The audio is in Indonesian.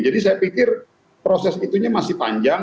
jadi saya pikir proses itunya masih panjang